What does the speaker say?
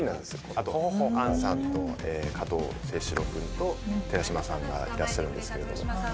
あと杏さんと加藤清史郎君と寺島さんがいらっしゃるんですけれども。